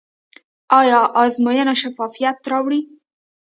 آیا ازموینه شفافیت راوړي؟